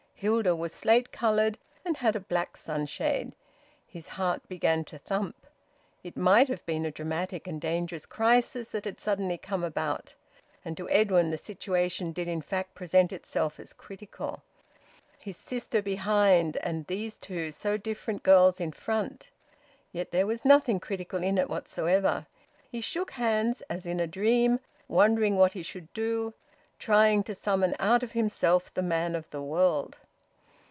Hilda was slate coloured, and had a black sunshade. His heart began to thump; it might have been a dramatic and dangerous crisis that had suddenly come about. And to Edwin the situation did in fact present itself as critical: his sister behind, and these two so different girls in front. Yet there was nothing critical in it whatsoever. He shook hands as in a dream, wondering what he should do, trying to summon out of himself the man of the world.